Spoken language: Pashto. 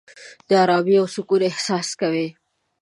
د آرامۍ او سکون احساس کوې.